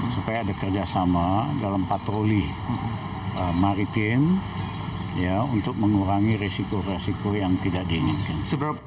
supaya ada kerjasama dalam patroli maritim untuk mengurangi risiko resiko yang tidak diinginkan